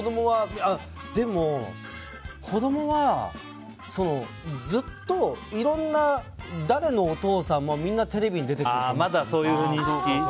でも、子供はずっといろんな誰のお父さんもみんなテレビに出てる人ってぐらいで。